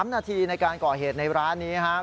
๓นาทีในการก่อเหตุในร้านนี้ครับ